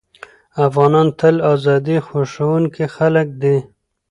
افغانان تل ازادي خوښوونکي خلک دي.